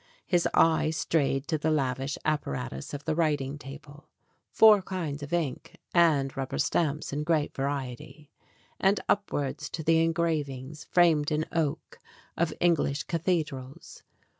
His eye strayed to the lavish apparatus of the writing table (four kinds of ink and rubber stamps in great variety), and upwards to the engravings, framed in oak, of English cathe drals.